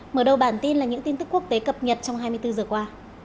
mở đầu bản tin là những tin tức quốc tế cập nhật trong hai mươi bốn giờ qua